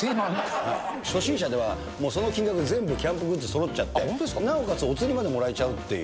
初心者では、もうその金額で全部キャンプグッズそろっちゃって、なおかつお釣りまでもらえちゃうっていう。